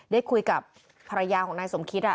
ได้คุยกับภรรยาของนายสมคิต